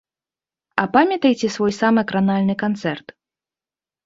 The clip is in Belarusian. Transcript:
А памятаеце свой самы кранальны канцэрт?